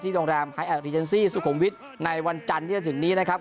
โรงแรมไฮแอคริเจนซี่สุขุมวิทย์ในวันจันทร์ที่จะถึงนี้นะครับ